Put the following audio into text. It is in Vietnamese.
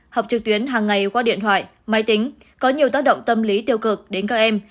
học trực tuyến hàng ngày qua điện thoại máy tính có nhiều tác động tâm lý tiêu cực đến các em